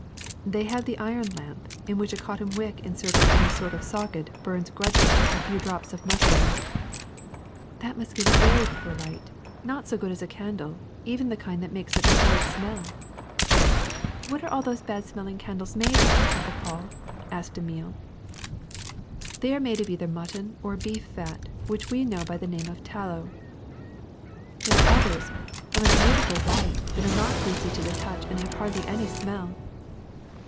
'' ^^They have the iron lamp, in which a cotton wick inserted in a sort of socket burns grudgingly a few drops of nut oil." 136 LIGHTING 137 ^*That must give a very poor light — not so good as a candle, even the kind that makes such a horrid smell. '^ *'What are those bad smelling candles made of, Uncle Paul?'' asked Emile. ^^They are made of either mutton or beef fat, which we know by the name of tallow. ''^' There are others, of a beautiful white, that are not greasy to the touch and have hardly any smell.